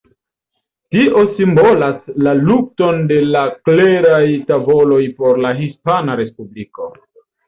Tio simbolas la lukton de la kleraj tavoloj por la Hispana Respubliko.